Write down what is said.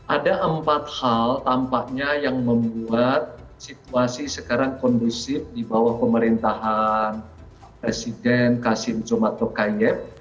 ada empat hal tampaknya yang membuat situasi sekarang kondusif di bawah pemerintahan presiden kasim jomatokayeb